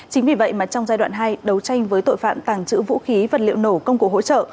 chính vì vậy mà trong giai đoạn hai đấu tranh với tội phạm tàng trữ vũ khí vật liệu nổ công cụ hỗ trợ